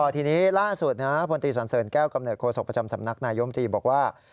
ทีนี้ล่าสุดพศแก้วกำเนิดโครสกประจำสำนักนายยมตรีบอกว่า